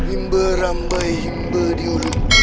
imbe rambai imbe di ulu